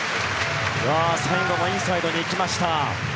最後もインサイドに行きました。